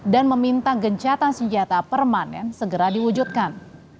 dan meminta gencatan senjata permanen segera diwujudkan